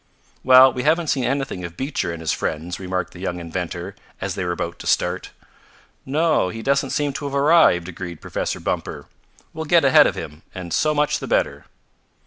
"Well, we haven't seen anything of Beecher and his friends," remarked the young inventor as they were about to start. "No, he doesn't seem to have arrived," agreed Professor Bumper. "We'll get ahead of him, and so much the better.